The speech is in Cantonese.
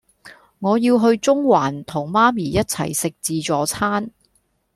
我要去中環同媽咪一齊食自助餐